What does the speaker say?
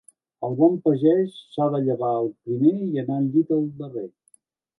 El bon pagès s'ha de llevar el primer i anar al llit el darrer.